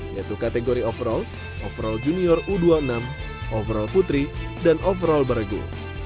yaitu kategori overall overall junior u dua puluh enam overall putri dan overall bergu